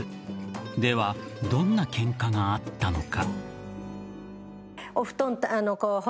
では、どんなケンカがあったのか。